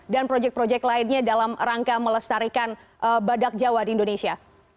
dan projek projek lainnya dalam rangka melestarikan badak jawa di indonesia